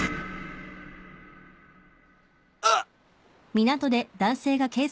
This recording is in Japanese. あっ！